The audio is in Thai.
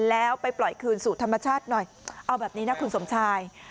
แล้วไปปล่อยคืนสู่ธรรมชาติหน่อยเอาแบบนี้นะคุณสมชาย